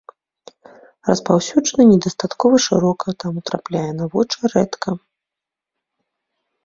Распаўсюджаны не дастаткова шырока, таму трапляе на вочы рэдка.